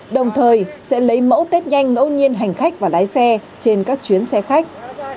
đồng thời sẽ lấy mẫu test nhanh ngẫu nhiên hành khách và lái xe trên các chuyến xe khách